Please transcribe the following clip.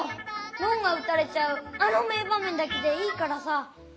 ごんがうたれちゃうあの名ばめんだけでいいからさ。